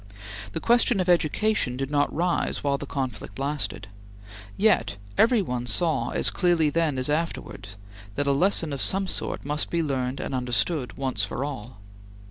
The question of education did not rise while the conflict lasted. Yet every one saw as clearly then as afterwards that a lesson of some sort must be learned and understood, once for all.